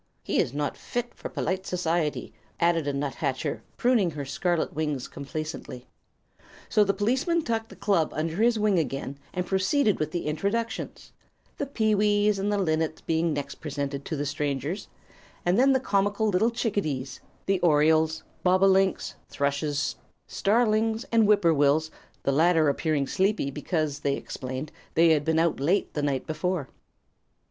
"He is not fit for polite society," added a nuthatcher, pruning her scarlet wings complacently. So the policeman tucked the club under his wing again and proceeded with the introductions, the pewees and the linnets being next presented to the strangers, and then the comical little chicadees, the orioles, bobolinks, thrushes, starlings and whippoorwills, the latter appearing sleepy because, they explained, they had been out late the night before.